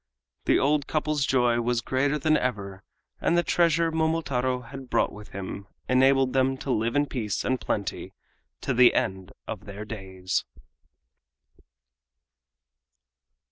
The old couple's joy was greater than ever, and the treasure Momotaro had brought home with him enabled them to live in peace and plenty to the end of their days.